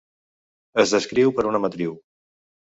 Es descriu per una matriu.